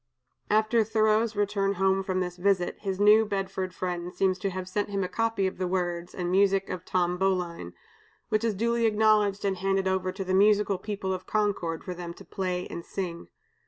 '" After Thoreau's return home from this visit, his New Bedford friend seems to have sent him a copy of the words and music of "Tom Bowline," which was duly acknowledged and handed over to the musical people of Concord for them to play and sing.